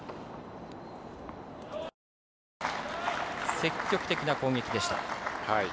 積極的な攻撃でした。